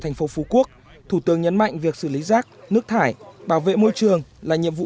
thành phố phú quốc thủ tướng nhấn mạnh việc xử lý rác nước thải bảo vệ môi trường là nhiệm vụ